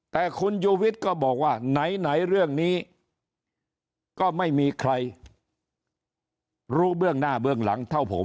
แต่คุณยูวิทย์ก็บอกว่าไหนเรื่องนี้ก็ไม่มีใครรู้เบื้องหน้าเบื้องหลังเท่าผม